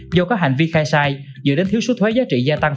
do các hành vi khai sai dựa đến thiếu số thuế giá trị gia tăng